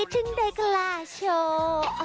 ถึงได้กล้าโชว์